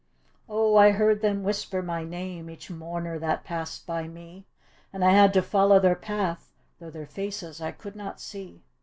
" Oh, I heard them whisper my name, Each mourner that passed by me; And I had to follow their path, Though their faces I could not see."